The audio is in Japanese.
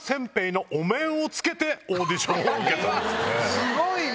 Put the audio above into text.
すごいな！